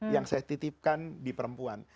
yang saya titipkan di perempuan